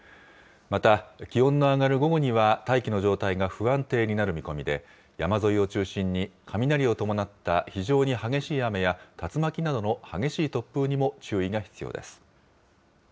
また、気温の上がる午後には、大気の状態が不安定になる見込みで、山沿いを中心に、雷を伴った非常に激しい雨や、竜巻などの激しい突風にも注意が必要です。